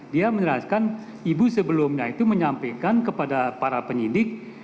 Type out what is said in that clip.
dia menjelaskan ibu sebelumnya itu menyampaikan kepada para penyidik